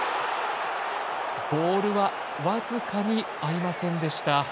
ボールは僅かに合いませんでした。